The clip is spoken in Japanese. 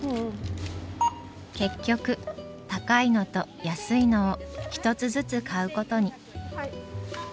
結局高いのと安いのを１つずつ買うことに。